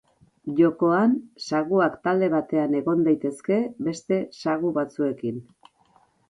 Jokoan saguak talde batean egon daitezke beste sagu batzuekin.